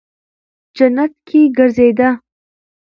جنت کې گرځېده.